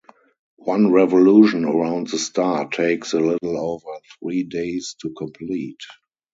One revolution around the star takes a little over three days to complete.